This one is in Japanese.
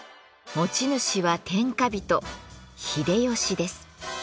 持ち主は天下人秀吉です。